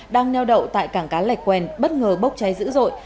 đang neo đậu tại cảng cá lạch quèn bất ngờ bốc cháy dữ dội